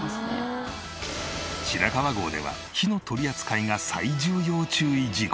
白川郷では火の取り扱いが最重要注意事項。